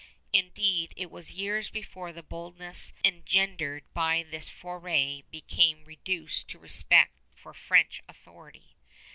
Indeed, it was years before the boldness engendered by this foray became reduced to respect for French authority.